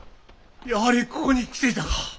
やはりここに来ていたか。